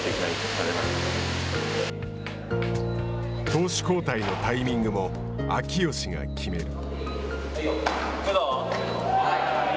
投手交代のタイミングも秋吉が決める。